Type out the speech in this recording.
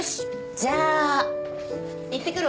じゃあ行ってくるわ。